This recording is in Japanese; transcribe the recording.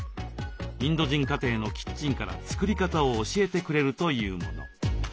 インド人家庭のキッチンから作り方を教えてくれるというもの。